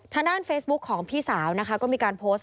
ท่านด้านเฟซบุ๊กของพี่สาวมีการโพส